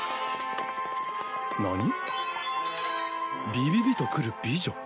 「ビビビとくる美女」？